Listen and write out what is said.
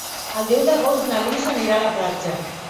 El deu d'agost na Lis anirà a la platja.